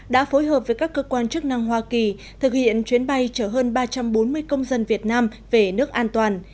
đã phối hợp với các cơ quan chức năng hoa kỳ thực hiện chuyến bay chở hơn ba trăm bốn mươi công dân việt nam về nước an toàn